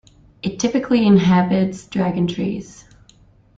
It typically inhabits dragon trees.